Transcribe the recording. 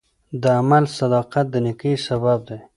د عمل صداقت د نیکۍ سبب دی.